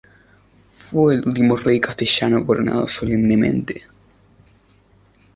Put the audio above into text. Fue el último rey castellano coronado solemnemente.